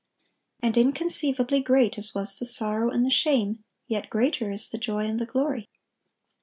And inconceivably great as was the sorrow and the shame, yet greater is the joy and the glory.